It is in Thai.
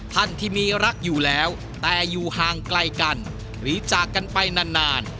ท่านที่มีรักอยู่แล้วแต่อยู่ห่างไกลกันหรือจากกันไปนาน